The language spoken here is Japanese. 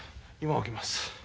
今起きます。